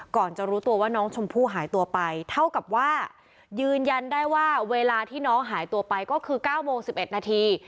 ก่อนจะรู้ตัวว่าน้องชมพู่หายตัวไปเท่ากับว่ายืนยันได้ว่าเวลาที่น้องหายตัวไปก็คือ๙โมง๑๑นาที